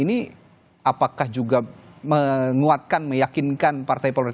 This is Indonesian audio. ini apakah juga menguatkan meyakinkan partai politik